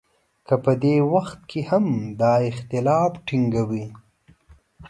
که په دې وخت کې هم دا اختلاف ټینګوي.